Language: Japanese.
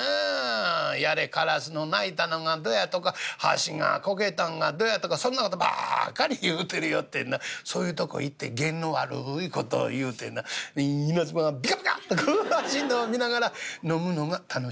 やれカラスの鳴いたのがどやとか箸がこけたんがどやとかそんな事ばっかり言うてるよってんなそういうとこ行ってゲンの悪い事言うてな稲妻がビカビカっとこう走んのを見ながら飲むのが楽しみ」。